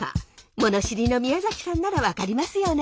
物知りの宮崎さんなら分かりますよね？